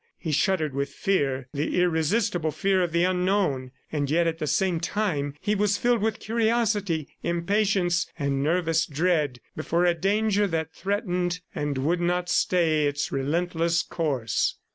He shuddered with fear, the irresistible fear of the unknown, and yet at the same time, he was filled with curiosity, impatience and nervous dread before a danger that threatened and would not stay its relentless course.